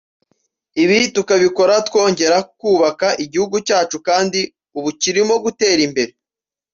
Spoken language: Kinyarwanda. ibi tukabikora twongera kubaka igihugu cyacu kandi ubu kirimo gutera imbere